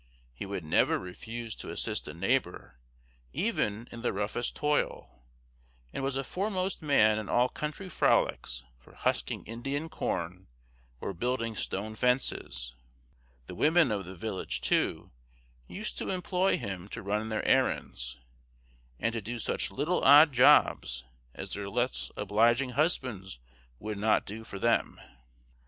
He would never refuse to assist a neighbor even in the roughest toil, and was a foremost man in all country frolics for husking Indian corn, or building stone fences; the women of the village, too, used to employ him to run their errands, and to do such little odd jobs as their less obliging husbands would not do for them.